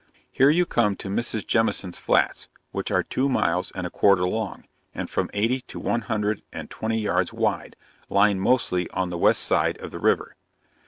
Here you come to Mrs. Jemison's flats, which are two miles and a quarter long, and from eighty to one hundred and twenty rods wide, lying mostly on the west side of the river.